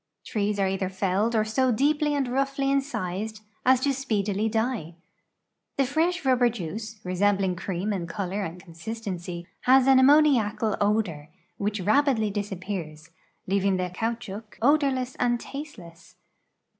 Trees are either felled or so dee[)ly and roughly incised as to s[)eedily die. The fresh rubber juice, resembling cream in color and con sistency, has an ammouiacal odor, which rapidly disappears, leaving the caoutchouc odorless and tasteless.